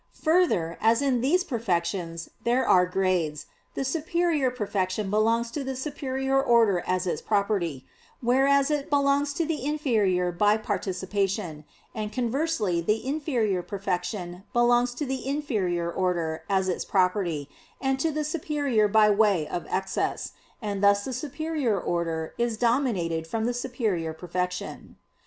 Further, as in these perfections there are grades, the superior perfection belongs to the superior order as its property, whereas it belongs to the inferior by participation; and conversely the inferior perfection belongs to the inferior order as its property, and to the superior by way of excess; and thus the superior order is denominated from the superior perfection.